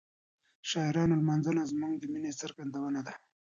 د شاعرانو لمانځنه زموږ د مینې څرګندونه ده.